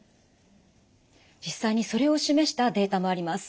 実際にそれを示したデータもあります。